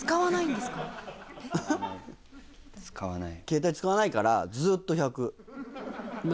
ケータイ使わないからずっと１００％。